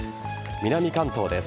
南関東です。